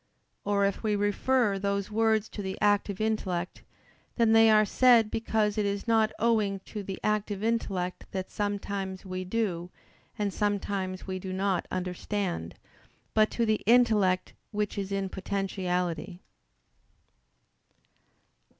Or, if we refer those words to the active intellect, then they are said because it is not owing to the active intellect that sometimes we do, and sometimes we do not understand, but to the intellect which is in potentiality.